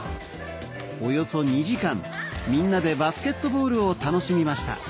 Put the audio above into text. ・およそ２時間みんなでバスケットボールを楽しみました